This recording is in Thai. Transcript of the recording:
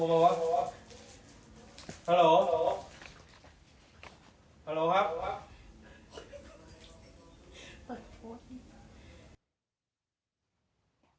ฮัลโหลครับ